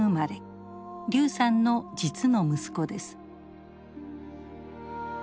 劉さんの実の息子です。